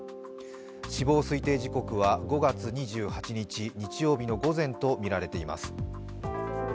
死亡推定時刻は５月２８日日曜日の午前とみられています。